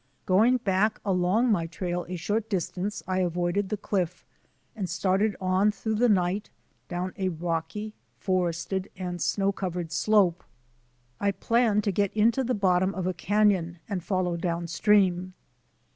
Going back along my trail a short distance I avoided the cliff and started on through the night down a rocky, forested, and snow covered slope. I planned to get into the bottom of a canon and follow downstream.